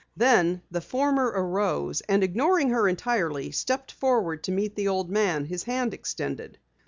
Then, the former arose, and ignoring her entirely, stepped forward to meet the old man, his hand extended.